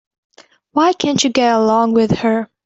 Why can't you get along with her?